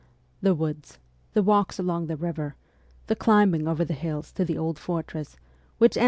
The woods ; the walks along the river ; the climbing over the hills to the old fortress, which M.